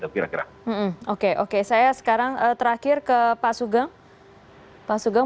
saya berpikirnya itu adalah hal yang harus diperlukan